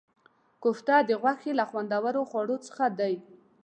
کوفته د غوښې له خوندورو خواړو څخه دی.